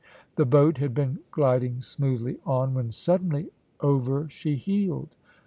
The boat had been gliding smoothly on, when suddenly over she heeled.